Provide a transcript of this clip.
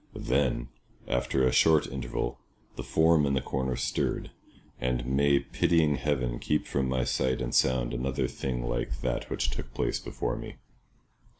Then, after a short interval, the form in the corner stirred; and may pitying heaven keep from my sight and sound another thing like that which took place before me.